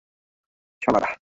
সব অমানুষের দল, শালারা!